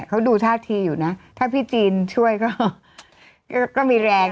เขาดูท่าทีอยู่นะถ้าพี่จีนช่วยก็มีแรง